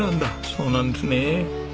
そうなんですね。